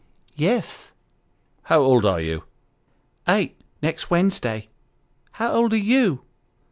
" Yes." " How old are you ?"" Eight, next We'nsday. How old are you